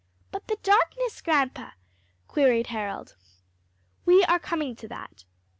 "But the darkness, grandpa?" queried Harold. "We are coming to that.